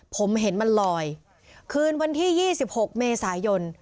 ผมเห็นมันลอยคืนวันที่๒๖เมษายน